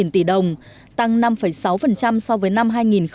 tám mươi năm tỷ đồng tăng năm sáu so với năm hai nghìn một mươi sáu